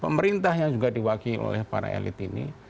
pemerintah yang juga diwakili oleh para elit ini